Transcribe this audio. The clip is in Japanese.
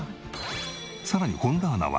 さらに本田アナは。